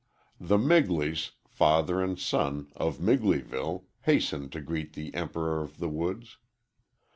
The Migleys father and son of Migleyville, hastened to greet the "Emperor of the Woods."